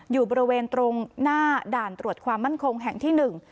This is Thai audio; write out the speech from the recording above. อยู่บริเวณตรงหน้าด่านตรวจความมั่นคงแห่งที่หนึ่ง